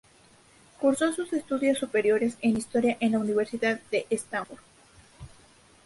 Cursó sus estudios superiores en Historia en la Universidad de Stanford.